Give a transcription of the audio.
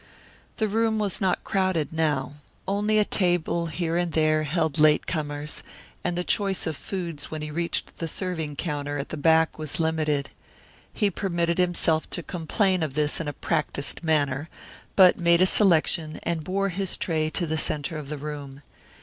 The room was not crowded now. Only a table here and there held late comers, and the choice of foods when he reached the serving counter at the back was limited. He permitted himself to complain of this in a practised manner, but made a selection and bore his tray to the centre of the room.